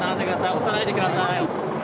押さないでください。